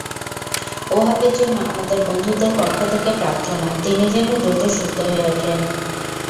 ওহাবের জন্য আমাদের বন্ধুদের পক্ষ থেকে প্রার্থনা—তিনি যেন দ্রুত সুস্থ হয়ে ওঠেন।